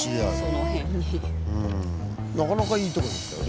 なかなかいいとこでしたよ